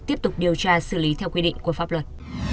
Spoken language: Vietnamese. tiếp tục điều tra xử lý theo quy định của pháp luật